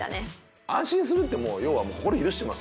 「安心する」って要はもう心許してます